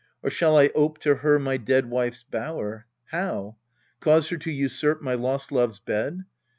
Or shall I ope to her my dead wife's bower? How ! cause her to usurp my lost love's bed